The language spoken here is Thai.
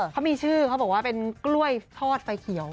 เขามีชื่อเขาบอกว่าเป็นกล้วยทอดไฟเขียว